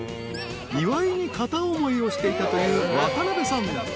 ［岩井に片思いをしていたという渡部さん］